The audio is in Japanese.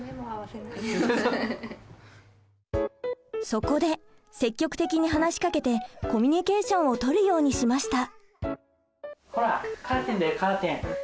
そこで積極的に話しかけてコミュニケーションをとるようにしました。